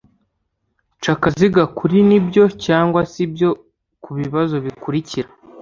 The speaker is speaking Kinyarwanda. ca akaziga kuri ni byo cyangwa si byo ku bibazo bikurikira